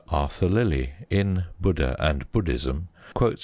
Arthur Lillie, in Buddha and Buddhism, quotes M.